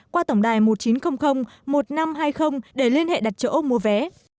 qua tổng đài một chín không không một năm hai không để liên hệ đặt chỗ mua vé